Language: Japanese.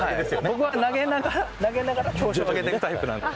僕は投げながら投げながら調子を上げていくタイプなので。